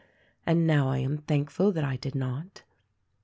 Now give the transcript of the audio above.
And now I am thankful that I did not."